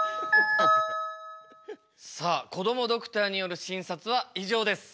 さあこどもドクターによる診察は以上です。